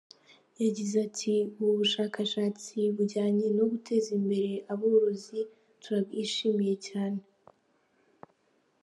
Yagize ati “Ubu bushakashatsi bujyanye no guteza imbere aborozi turabwishimiye.